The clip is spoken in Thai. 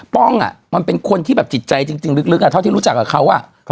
มันเป็นคนที่แบบจิตใจจริงลึกเท่าที่รู้จักกับเขา